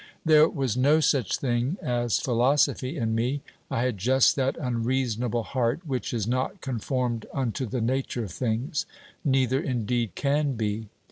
There was no such thing as philosophy in me: I had just that unreasonable heart which is not conformed unto the nature of things, neither indeed can be.